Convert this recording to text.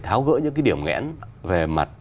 tháo gỡ những cái điểm nghẽn về mặt